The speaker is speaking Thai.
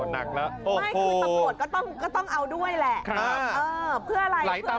นั่นคือตำรวจก็ต้องเอาด้วยแหละ